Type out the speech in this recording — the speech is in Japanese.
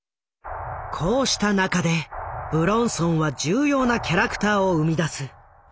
こうした中で武論尊は重要なキャラクターを生み出す。